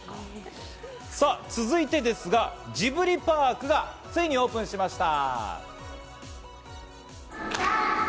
続いてですが、ジブリパークがついにオープンしました。